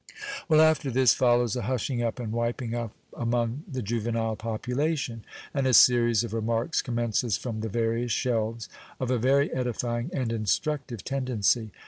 Well, after this follows a hushing up and wiping up among the juvenile population, and a series of remarks commences from the various shelves, of a very edifying and instructive tendency.